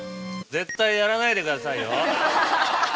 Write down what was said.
絶対やらないでくださいよ。